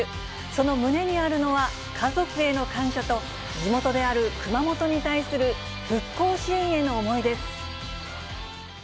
その胸にあるのは、家族への感謝と、地元である熊本に対する復興支援への思いです。